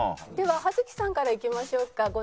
では葉月さんからいきましょうか。